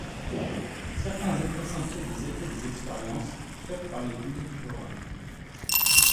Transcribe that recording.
Certains États s'inquiètent des effets des expériences faites par les pays riverains.